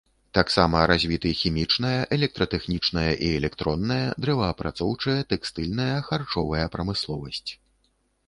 Таксама развіты хімічная, электратэхнічная і электронная, дрэваапрацоўчая, тэкстыльная, харчовая прамысловасць.